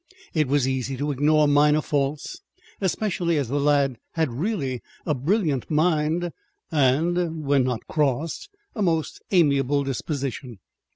It was easy to ignore minor faults, especially as the lad had really a brilliant mind, and (when not crossed) a most amiable disposition.